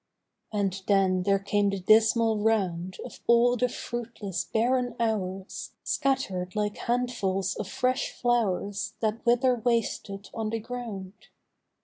And then there came the dismal round Of all the fruitless barren hours Scatter'd like handfuls of fresh flowVs That wither wasted on the ground.